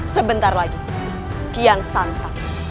sebentar lagi kian santang